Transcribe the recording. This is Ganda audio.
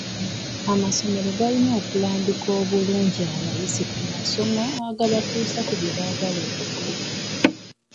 Amasomero galina okulambika obulungi abayizi ku masomo agabatuusa ku bye baagala okubeera.